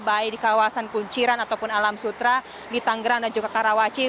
baik di kawasan kunciran ataupun alam sutra di tanggerang dan juga karawaci